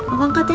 aku angkat ya